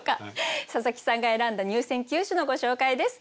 佐佐木さんが選んだ入選九首のご紹介です。